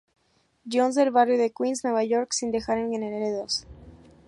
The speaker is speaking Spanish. Johns del barrio de Queens, Nueva York, sin dejar herederos.